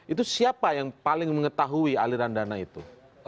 itu siapa yang paling mengetahui aliran dana itu